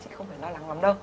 chị không phải lo lắng lắm đâu